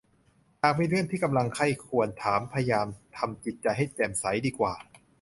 หากมีเรื่องที่กำลังใคร่ครวญทวนถามพยายามทำจิตใจให้แจ่มใสดีกว่า